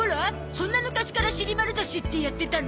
そんな昔から『シリマルダシ』ってやってたの？